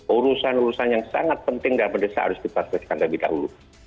urusan urusan yang sangat penting dalam desa harus dipasarkan lebih dahulu